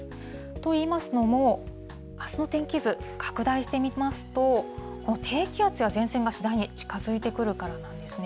といいますのも、あすの天気図、拡大してみますと、低気圧や前線が次第に近づいてくるからなんですね。